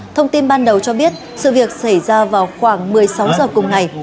thông tin ban đầu cho biết sự việc xảy ra vào khoảng một mươi sáu h cùng ngày